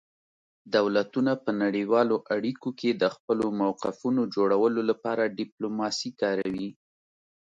دولتونه په نړیوالو اړیکو کې د خپلو موقفونو جوړولو لپاره ډیپلوماسي کاروي